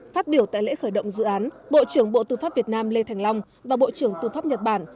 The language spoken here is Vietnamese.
phát biểu tại lễ khởi động dự án bộ trưởng bộ tư pháp việt nam lê thành long và bộ trưởng tư pháp nhật bản